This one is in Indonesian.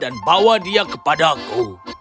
dan bawa dia kepadaku